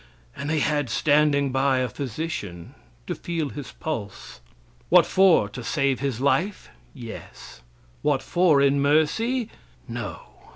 And they had standing by a physician to feel his pulse. What for? To save his life? Yes. What for? In mercy? No.